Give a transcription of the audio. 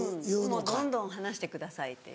もうどんどん話してくださいっていう。